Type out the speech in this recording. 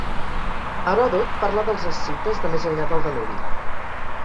Heròdot parla dels escites de més enllà del Danubi.